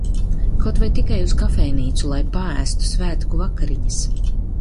Kaut vai tikai uz kafejnīcu, lai paēstu svētku vakariņas.